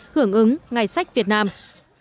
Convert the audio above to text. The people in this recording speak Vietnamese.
hưởng ứng ngày sách việt nam